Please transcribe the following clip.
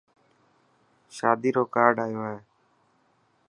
شادي رو ڪارڊآيو هي.